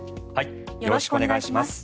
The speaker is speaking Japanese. よろしくお願いします。